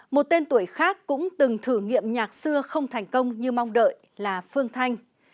một tên tuổi khác cũng từng thử nghiệm nhạc xưa không thành công như mong đợi là phương thanh